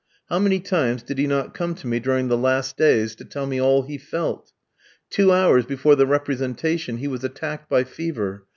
How many times did he not come to me during the last days to tell me all he felt! Two hours before the representation he was attacked by fever.